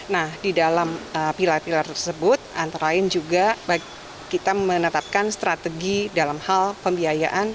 nah di dalam pilar pilar tersebut antara lain juga kita menetapkan strategi dalam hal pembiayaan